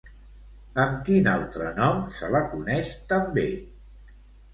Amb quin altre nom se la coneix també?